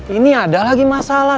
ini ada lagi masalah